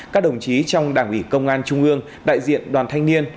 các đồng chí trong đảng ủy công an trung ương đại diện đoàn thanh niên